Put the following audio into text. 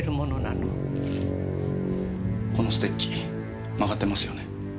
このステッキ曲がってますよね？